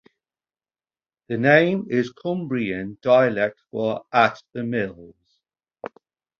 The name is Cumbrian dialect for "At the mills".